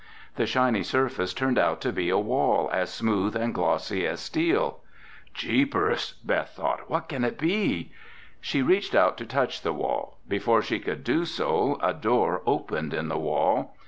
The shiny surface turned out to be a wall as smooth and glossy as steel. "Jeepers!" Beth thought. "What can it be?" She reached out to touch the wall. Before she could do so, a door opened in the wall.